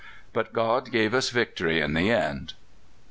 But God gave us victory in the end.